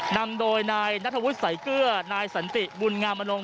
นำโดยนายนัทวุฒิสายเกลือนายสันติบุญงามอนลง